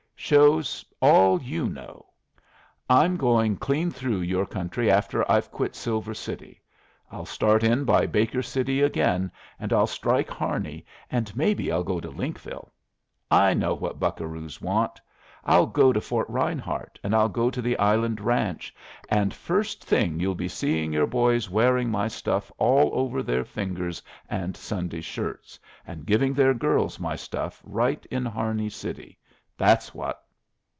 Shows all you know. I'm going clean through your country after I've quit Silver City. I'll start in by Baker City again, and I'll strike Harney, and maybe I'll go to Linkville. I know what buccaroos want. I'll go to Fort Rinehart, and I'll go to the Island Ranch, and first thing you'll be seeing your boys wearing my stuff all over their fingers and Sunday shirts, and giving their girls my stuff right in Harney City. That's what."